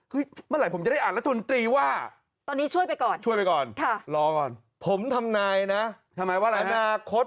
เฮ้ยเมื่อไหร่ผมจะได้อ่านรัชมนตรีว่า